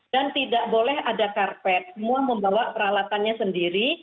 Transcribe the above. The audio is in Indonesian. dan tidak boleh ada karpet semua membawa peralatannya sendiri